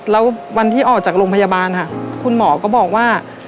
แล้ววันที่ออกจากโรงพยาบาลค่ะคุณหมอก็บอกว่า